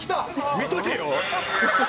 「見とけよ！」